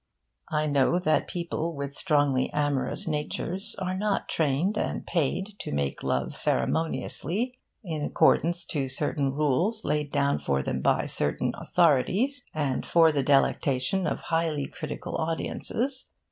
I know that people with strongly amorous natures are not trained and paid to make love ceremoniously, in accordance to certain rules laid down for them by certain authorities, and for the delectation of highly critical audiences.